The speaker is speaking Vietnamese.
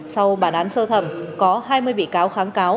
sau bản án sơ thẩm có hai mươi bị cáo kháng cáo